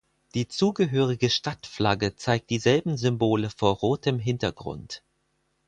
Die zugehörige Stadtflagge zeigt dieselben Symbole vor rotem Hintergrund.